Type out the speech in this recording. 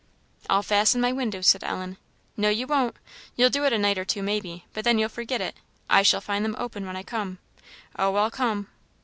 "I'll fasten my windows," said Ellen. "No, you won't. You'll do it a night or two, maybe, but then you'll forget it. I shall find them open when I come. Oh, I'll come!"